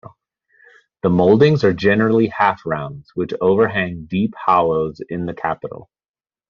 The mouldings are generally half-rounds, which overhang deep hollows in the capital.